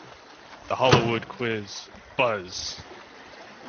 The Hollywood Quiz", "Buzz!